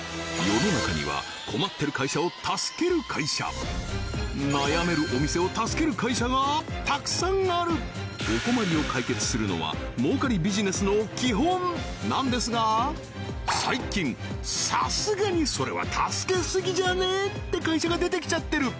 世の中には困ってる会社を助ける会社悩めるお店を助ける会社がたくさんあるお困りを解決するのは儲かりビジネスの基本なんですが最近「さすがにそれは助けすぎじゃね？」って会社が出てきちゃってる